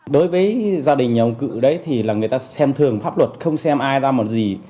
đối với gia đình nhà ông cự đấy thì là người ta xem thường pháp luật không xem ai ra một gì